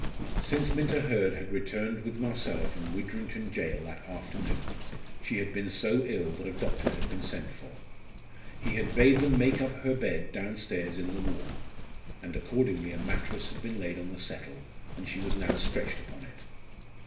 Since Minta Hurd had returned with Marcella from Widrington Gaol that afternoon, she had been so ill that a doctor had been sent for. He had bade them make up her bed downstairs in the warm; and accordingly a mattress had been laid on the settle, and she was now stretched upon it.